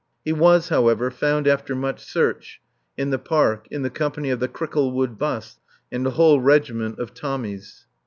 He was, however, found after much search, in the Park, in the company of the Cricklewood bus and a whole regiment of Tommies.